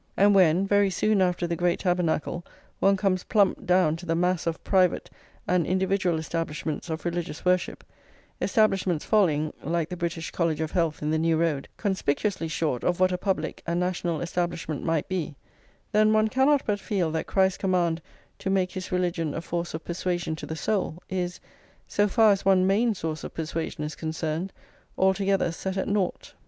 And when, very soon after the great Tabernacle, one comes plump down to the mass of private and individual establishments of religious worship, establishments falling, like the British College of Health in the New Road, conspicuously short of what a public and national establishment might be, then one cannot but feel that Christ's command to make his religion a force of persuasion to the soul, is, so far as one main source of persuasion is concerned, altogether set at nought.